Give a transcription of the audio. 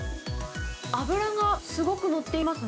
脂がすごく乗っていますね。